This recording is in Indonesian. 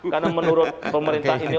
karena menurut pemerintah ini